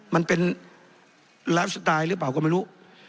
มันเป็นไลฟ์สไตล์หรือเปล่าก็ไม่รู้